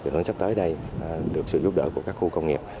hướng sắp tới đây được sự giúp đỡ của các khu công nghiệp